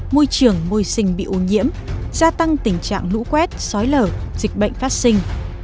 môi trường môi sinh bị ô nhiễm gia tăng tình trạng lũ quét sói lở dịch bệnh phát sinh